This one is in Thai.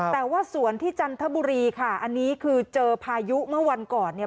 แต่ว่าสวนที่จันทบุรีค่ะอันนี้คือเจอพายุเมื่อวันก่อนเนี่ย